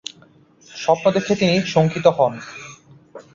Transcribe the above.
স্বপ্ন দেখে তিনি শংকিত হন।